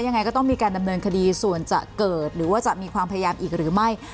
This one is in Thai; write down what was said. ยังไงก็ต้องมีการดำเนินคดีส่วนจะเกิดหรือว่าจะมีความพยายามอีกหรือไม่